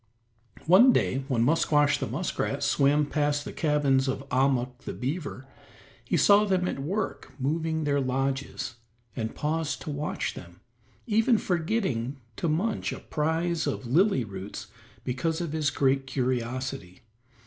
One day when Musquash the muskrat swam past the cabins of Ahmuk the beaver, he saw them at work moving their lodges, and paused to watch them, even forgetting to munch a prize of lily roots because of his great curiosity.